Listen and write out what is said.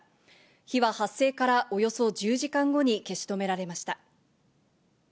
火は発生からおよそ１０時間後に消し止められました。